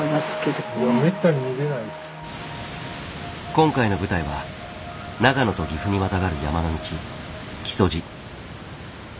今回の舞台は長野と岐阜にまたがる山の道